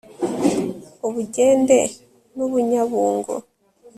u bugende n'u bunyabungo